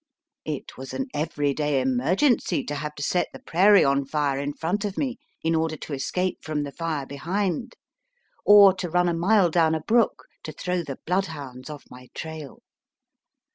It was an everyday emer gency to have to set the prairie on fire in front of me in order to escape from the fire behind, or to run a mile down a brook to throw the bloodhounds off my trail.